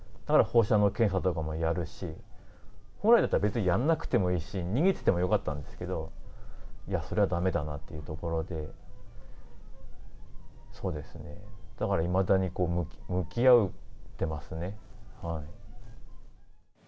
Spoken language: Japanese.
だから放射能検査とかもやるし、本来だったら、別にやんなくてもいいし、逃げててもよかったんですけど、いや、それはだめだなというところで、そうですね、だからいまだに向き合ってますね。